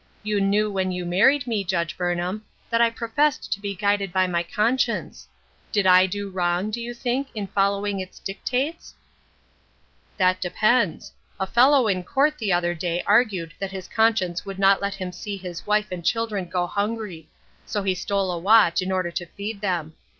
You knew when you married me, Judge Burnham, that I professed to be guided by my conscience. Did I do wrong, do you think, in following its dictates ?"" That depends ; a fellow in court the other day argued that his conscience would not let him see his wife and children go hungry ; so he stole a watch in order to feed them.